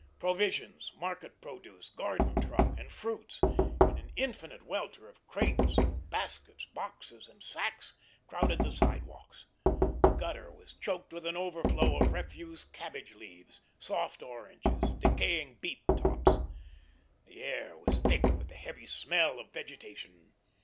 Provisions, market produce, "garden truck" and fruits, in an infinite welter of crates and baskets, boxes, and sacks, crowded the sidewalks. The gutter was choked with an overflow of refuse cabbage leaves, soft oranges, decaying beet tops. The air was thick with the heavy smell of vegetation.